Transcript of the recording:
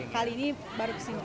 kali ini baru kesini